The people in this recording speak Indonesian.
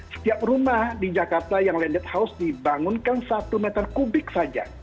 setiap rumah di jakarta yang landed house dibangunkan satu meter kubik saja